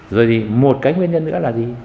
rồi thì một cái nguyên nhân nữa là gì